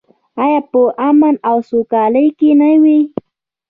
آیا په امن او سوکالۍ کې نه وي؟